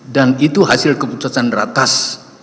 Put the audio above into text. dan itu hasil keputusan ratas